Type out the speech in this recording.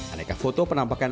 aneka foto penampakan